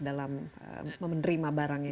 dalam menerima barang ini